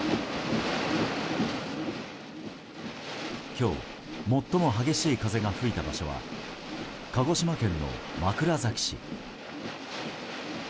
今日最も激しい風が吹いた場所は鹿児島県の枕崎市。